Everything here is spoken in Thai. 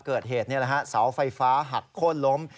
เกิดเหตุนี่แหละฮะเสาไฟฟ้าหักโค้นล้ม